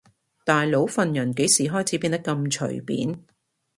大佬份人幾時開始變得咁隨便